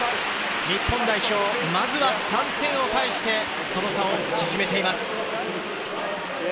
日本代表、まずは３点を返して、その差を縮めています。